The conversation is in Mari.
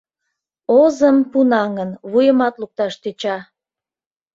Озым пунаҥын, вуйымат лукташ тӧча.